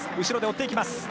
後ろで追っていきます。